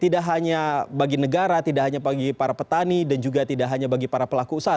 tidak hanya bagi negara tidak hanya bagi para petani dan juga tidak hanya bagi para pelaku usaha